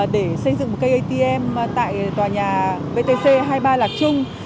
để xây dựng một cây atm tại tòa nhà btc hai mươi ba lạc trung